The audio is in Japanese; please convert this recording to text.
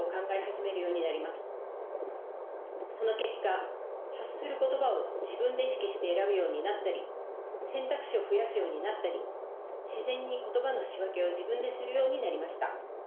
その結果発する言葉を自分で意識して選ぶようになったり選択肢を増やすようになったり自然に言葉の仕分けを自分でするようになりました。